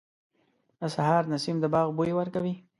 • د سهار نسیم د باغ بوی ورکوي.